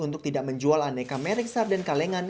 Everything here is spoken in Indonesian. untuk tidak menjual aneka merek sarden kalengan